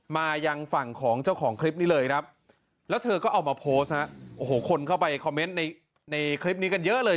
มายังฝั่งของเจ้าของคลิปนี้เลยครับแล้วเธอก็เอามาโพสต์ฮะโอ้โหคนเข้าไปคอมเมนต์ในคลิปนี้กันเยอะเลย